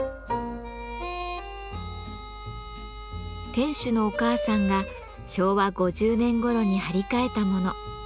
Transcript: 店主のお母さんが昭和５０年ごろに張り替えたもの。